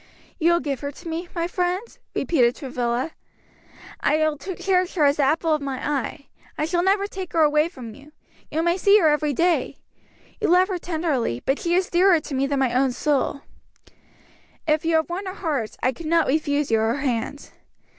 "You will give her to me, my friend?" repeated Travilla. "I will cherish her as the apple of my eye; I shall never take her away from you, you may see her every day. You love her tenderly, but she is dearer to me than my own soul." "If you have won her heart, I cannot refuse you her hand.